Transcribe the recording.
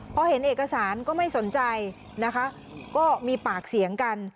พอเห็นเอกสารก็ไม่สนใจนะคะก็มีปากเสียงกัน